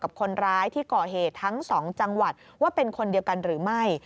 กับคนร้ายที่ก่อเหตุทั้งสองจังหวัดว่าเป็นคนเดียวกันหรือไม่